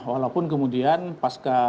walaupun kemudian pas ke